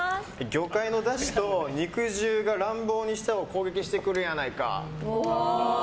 魚介のだしと肉汁が乱暴に舌を攻撃してくるやないか。